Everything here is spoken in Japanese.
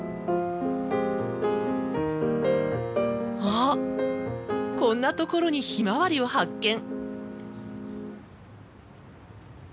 あっこんなところにひまわりを発見。